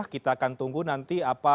kita akan tunggu nanti apa